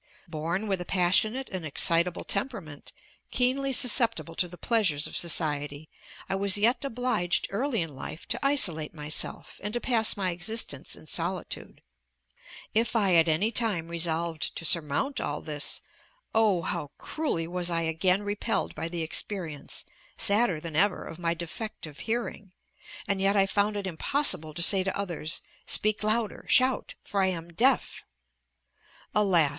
Born with a passionate and excitable temperament, keenly susceptible to the pleasures of society, I was yet obliged early in life to isolate myself, and to pass my existence in solitude. If I at any time resolved to surmount all this, oh! how cruelly was I again repelled by the experience, sadder than ever, of my defective hearing! and yet I found it impossible to say to others: Speak louder, shout! for I am deaf! Alas!